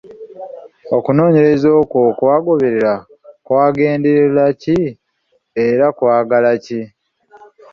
Okunoonyereza okwo okwakolebwa kwagenderera ki era kwalaga ki?